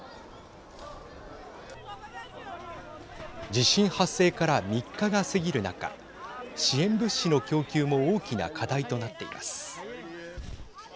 地震発生から３日が過ぎる中支援物資の供給も大きな課題となっています。